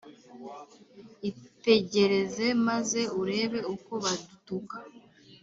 itegereze maze urebe uko badutuka!